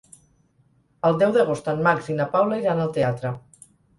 El deu d'agost en Max i na Paula iran al teatre.